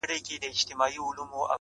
« که مي څوک په فقیری شمېري فقیر سم،